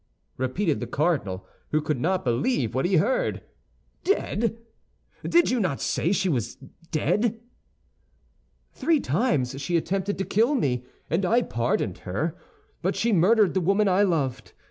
repeated the cardinal, who could not believe what he heard, "dead! Did you not say she was dead?" "Three times she attempted to kill me, and I pardoned her; but she murdered the woman I loved.